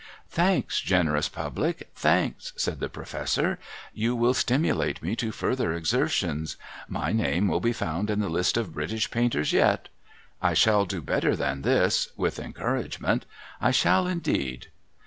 ' Thanks, generous public, thanks !' said the professor. ' You will stimulate me to further exertions. My name will be found in the list of British Painters yet. I shall do better than this, with encouragement. I shall indeed.'